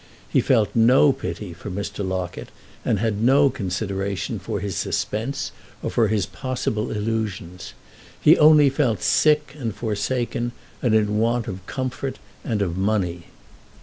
He felt no pity for Mr. Locket and had no consideration for his suspense or for his possible illusions; he only felt sick and forsaken and in want of comfort and of money.